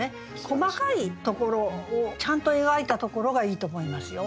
細かいところをちゃんと描いたところがいいと思いますよ。